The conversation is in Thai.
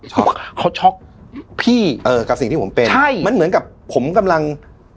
เขาช็อกพี่เอ่อกับสิ่งที่ผมเป็นใช่มันเหมือนกับผมกำลัง